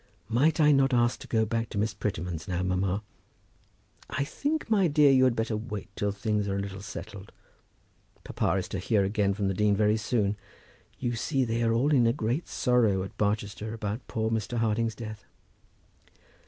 "Might I not ask to go back to Miss Prettyman's now, mamma?" "I think, dear, you had better wait till things are a little settled. Papa is to hear again from the dean very soon. You see they are all in a great sorrow at Barchester about poor Mr. Harding's death."